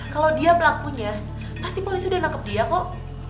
kalau dia pelakunya pasti polisi udah nangkep dia kok